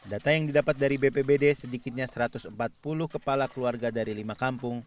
data yang didapat dari bpbd sedikitnya satu ratus empat puluh kepala keluarga dari lima kampung